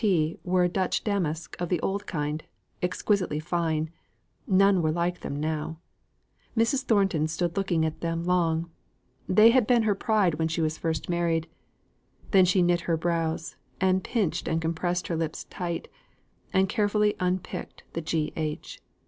T. were Dutch damask of the old kind, exquisitely fine; none were like them now. Mrs. Thornton stood looking at them long, they had been her pride when she was first married. Then she knit her brows, and pinched and compressed her lips tight, and carefully unpicked the G.H.